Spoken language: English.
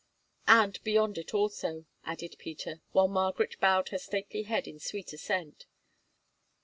"And beyond it also," added Peter; while Margaret bowed her stately head in sweet assent.